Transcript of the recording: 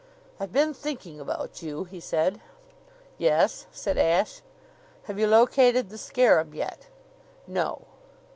"I've been thinking about you," he said. "Yes?" said Ashe. "Have you located the scarab yet?" "No."